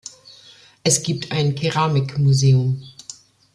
Es gibt ein Keramikmuseum.